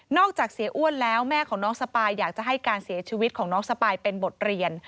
จากเสียอ้วนแล้วแม่ของน้องสปายอยากจะให้การเสียชีวิตของน้องสปายเป็นบทเรียน